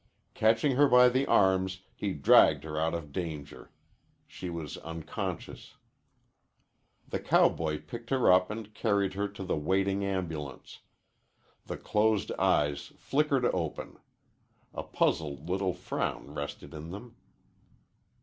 Catching her by the arms, he dragged her out of danger. She was unconscious. The cowboy picked her up and carried her to the waiting ambulance. The closed eyes flickered open. A puzzled little frown rested in them.